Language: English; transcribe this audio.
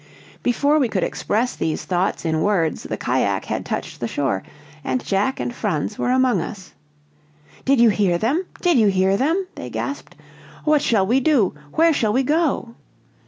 Before we could express these thoughts in words the cajack had touched the shore, and Jack and Franz were among us. "Did you hear them? Did you hear them?" they gasped. "What shall we do? Where shall we go?"